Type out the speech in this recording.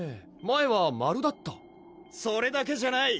前は円だったそれだけじゃない！